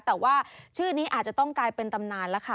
แต่ว่าชื่อนี้อาจจะต้องกลายเป็นตำนานแล้วค่ะ